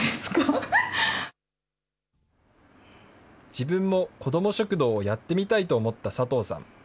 自分もこども食堂をやってみたいと思った佐藤さん。